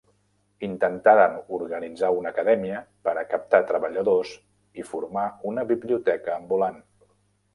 Intentaren organitzar una acadèmia per a captar treballadors i formar una biblioteca ambulant.